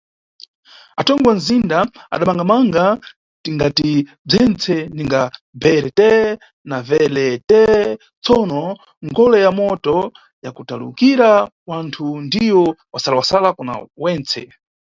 Atongi wa nzinda adamangamanga tingati bzwentse, ninga BRT na VLT, tsono ngolo ya moto ya kutakulira wanthu ndiyo wasalawasala kuna wentse.